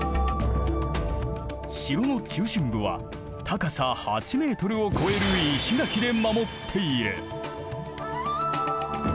城の中心部は高さ８メートルを超える石垣で守っている。